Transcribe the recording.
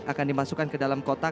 akan dimasukkan ke dalam komentar ini